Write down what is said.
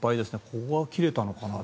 ここが切れたのかな。